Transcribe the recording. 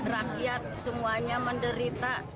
rakyat semuanya menderita